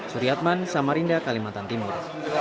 suriatman samarinda kalimantan timur